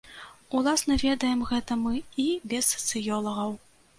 Уласна, ведаем гэта мы і без сацыёлагаў.